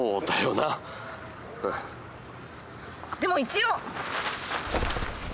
でも一応！